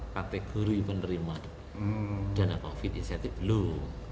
kategori penerima dana covid sembilan belas belum